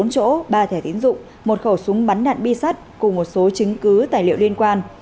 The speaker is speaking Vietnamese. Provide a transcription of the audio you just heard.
bốn chỗ ba thẻ tín dụng một khẩu súng bắn đạn bi sắt cùng một số chứng cứ tài liệu liên quan